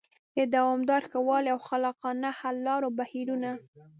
د دوامداره ښه والي او خلاقانه حل لارو بهیرونه